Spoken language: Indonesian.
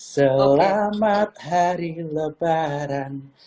selamat hari lebaran